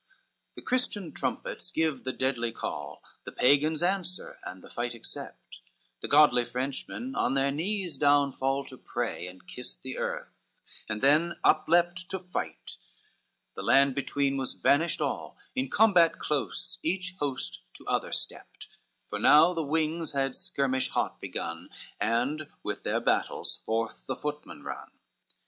XXXI The Christian trumpets give the deadly call, The Pagans answer, and the fight accept; The godly Frenchmen on their knees down fall To pray, and kissed the earth, and then up leapt To fight, the land between was vanished all, In combat close each host to other stepped; For now the wings had skirmish hot begun, And with their battles forth the footmen run.